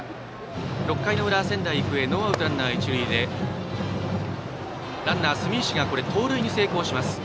６回の裏、仙台育英ノーアウトランナー、一塁でランナー、住石が盗塁に成功。